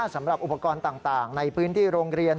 สำหรับอุปกรณ์ต่างในพื้นที่โรงเรียน